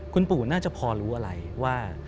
คุณปู่น่าจะพอรู้อะไรว่า